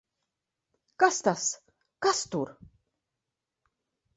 Kas tas! Kas tur!